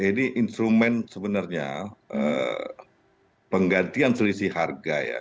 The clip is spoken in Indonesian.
jadi instrumen sebenarnya penggantian selisih harga ya